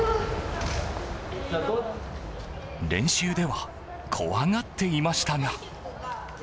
練習では怖がっていましたが。